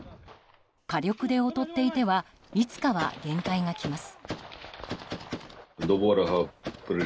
火力で劣っていてはいつかは限界がきます。